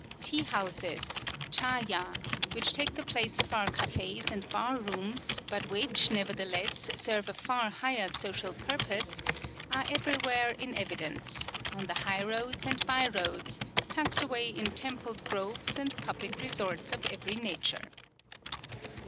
Tea houses Châ ya which take the place of our cafes and bar rooms, but which, nevertheless, serve a far higher social purpose, are everywhere in evidence, on the high roads and by roads, tucked away in templed groves and public resorts of every nature.